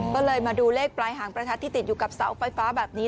ก็เลยมาดูเลขปลายหางประทัดที่ติดอยู่กับเสาไฟฟ้าแบบนี้